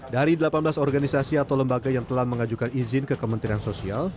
dari delapan belas organisasi atau lembaga yang telah mengajukan izin ke kementerian sosial